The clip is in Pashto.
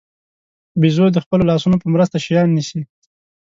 بیزو د خپلو لاسونو په مرسته شیان نیسي.